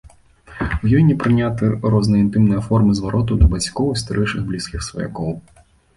У ёй не прыняты розныя інтымныя формы зваротаў да бацькоў і старэйшых блізкіх сваякоў.